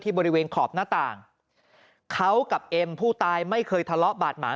บริเวณขอบหน้าต่างเขากับเอ็มผู้ตายไม่เคยทะเลาะบาดหมาง